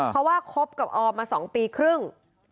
เพราะว่าคบกับออมมา๒ปีครึ่ง